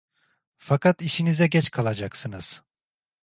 Fakat işinize geç kalacaksınız!